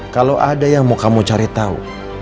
kalau ada yang kamu mau cari tau